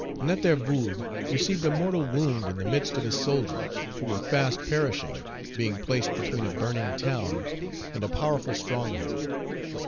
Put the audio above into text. Nétervood received a mortal wound in the midst of his soldiers, who were fast perishing, being placed between a burning town and a powerful stronghold.